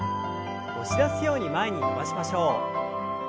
押し出すように前に伸ばしましょう。